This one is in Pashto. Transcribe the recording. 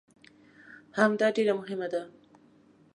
همدا ډېره مهمه ده.